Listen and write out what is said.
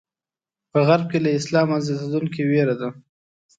په غرب کې له اسلامه زیاتېدونکې وېره ده.